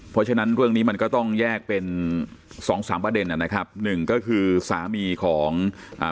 เพราะฉะนั้นเรื่องนี้มันก็ต้องแยกเป็นสองสามประเด็นอ่ะนะครับหนึ่งก็คือสามีของอ่า